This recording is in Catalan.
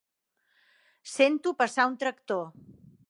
Sento passar un tractor.